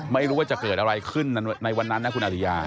ไม่รู้ว่าจะเกิดอะไรขึ้นในวันนั้นนะคุณอริยา